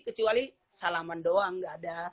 kecuali salaman doang gak ada